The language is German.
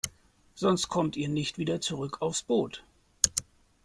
Sonst kommt ihr nicht wieder zurück aufs Boot.